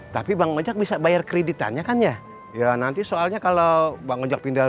tapi bang mojak bisa bayar kredit tanya kan ya ya nanti soalnya kalau bang mojak pindah